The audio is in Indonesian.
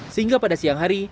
sehingga pada siang hari